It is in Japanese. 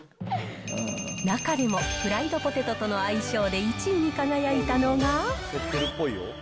中でも、フライドポテトとの相性で１位に輝いたのが。